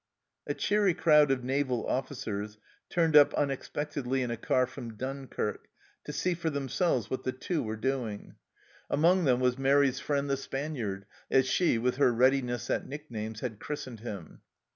A cheery crowd of naval officers turned up unexpectedly in a car from Dunkirk to see for themselves what the Two were doing. Among THE END OF 1914 175 them was Mairi's friend the " Spaniard," as she, with her readiness at nicknames, had christened him.